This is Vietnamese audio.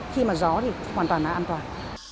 khi mà gió thì hoàn toàn là an toàn